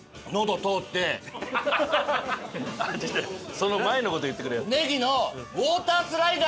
その前の事言ってくれよ。